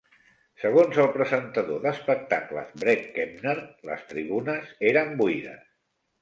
Segons el presentador d'espectacles Bret Kepner, les tribunes eren buides.